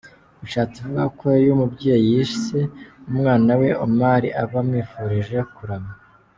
Bishatse kuvuga ko iyo umubyeyi yise umwana we Omar aba amwifurije kurama.